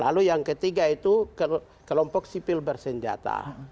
lalu yang ketiga itu kelompok sipil bersenjata